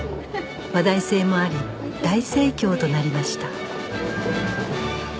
話題性もあり大盛況となりました